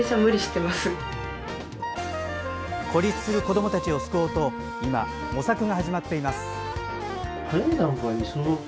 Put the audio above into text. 孤立する子どもたちを救おうと今、模索が始まっています。